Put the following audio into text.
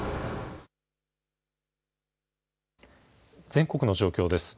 全国の状況です。